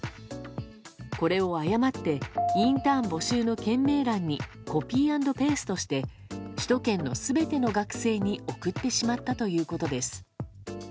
これを誤ってインターン募集の件名欄にコピー＆ペーストして首都圏の全ての学生に送ってしまったということです。